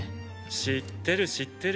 知ってる知ってる。